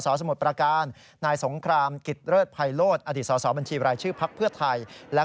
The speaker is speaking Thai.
กรณีนี้ทางด้านของประธานกรกฎาได้ออกมาพูดแล้ว